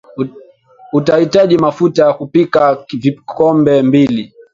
utahitaji mafuta ya kupikia vikombe mbili